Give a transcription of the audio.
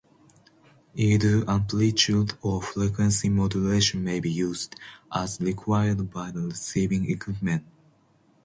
Either amplitude or frequency modulation may be used, as required by the receiving equipment.